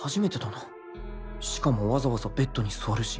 しかもわざわざベッドに座るし。